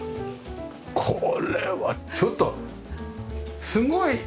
これはちょっとすごい！